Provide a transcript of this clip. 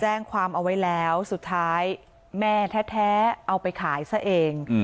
แจ้งความเอาไว้แล้วสุดท้ายแม่แท้เอาไปขายซะเอง